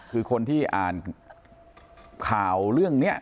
คือคนที่อ่านข่าวเรื่องนี้